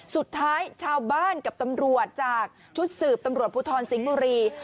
สุดท้ายชาวบ้านกับตำรวจจากชุดสืบตำรวจภูทรสิงห์บุรี